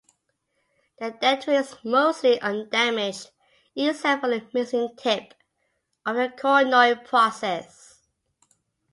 The dentary is mostly undamaged except for the missing tip of the coronoid process.